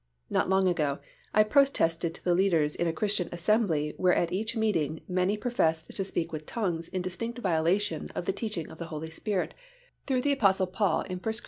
Not long ago, I protested to the leaders in a Christian assembly where at each meeting many professed to speak with tongues in distinct violation of the teaching of the Holy Spirit through the Apostle Paul in 1 Cor.